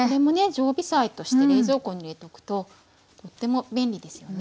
常備菜として冷蔵庫に入れておくととっても便利ですよね。